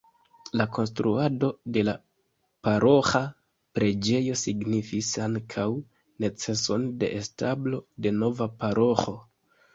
La konstruado de la paroĥa preĝejo signifis ankaŭ neceson de establo de nova paroĥo.